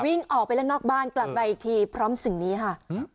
วิ่งออกไปเล่นนอกบ้านกลับมาอีกทีพร้อมสิ่งนี้ค่ะ